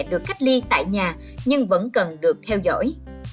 được cách ly tại nhà nhưng vẫn cần được theo dõi